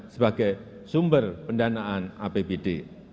sebagai sumber pendanaan apbd